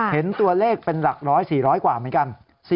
เห็นตัวเลขเป็นหลักร้อย๔๐๐กว่าเหมือนกัน